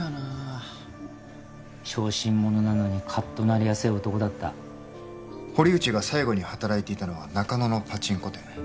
あ小心者なのにカッとなりやすい男だった堀内が最後に働いていたのは中野のパチンコ店